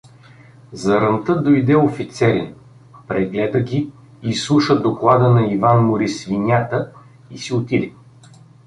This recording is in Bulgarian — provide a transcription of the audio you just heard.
Заранта дойде офицерин, прегледа ги, изслуша доклада на Иван Морисвинята и си отиде.